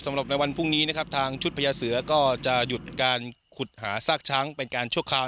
สำหรับในวันพรุ่งนี้ทางชุดพญาเสือก็จะหยุดการขุดหาซากช้างเป็นการช่วงคลาว